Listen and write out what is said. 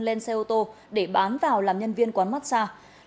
lên xe ô tô để bán vào làm nhân viên quán massage